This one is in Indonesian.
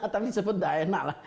tapi sebetulnya enak lah